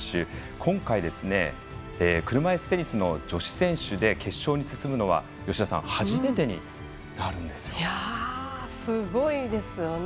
今回、車いすテニスの女子選手で決勝に進むのはすごいですよね。